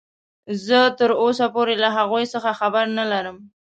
زه تراوسه پورې له هغوې څخه خبر نلرم.